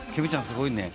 すごいね。